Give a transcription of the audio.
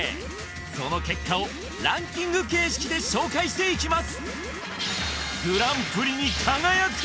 その結果をランキング形式で紹介していきます